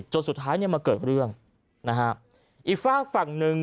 จนสุดท้ายเนี่ยมาเกิดเรื่องนะฮะอีกฝากฝั่งหนึ่ง